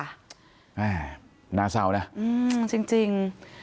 อ่าน่าเศร้านะอืมจริงจริง